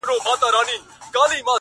یو ځل بیا دي په پنجاب کي زلزله سي -